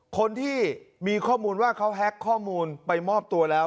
คนที่มีข้อมูลว่าเขาแฮ็กข้อมูลไปมอบตัวแล้ว